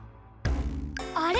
あれ？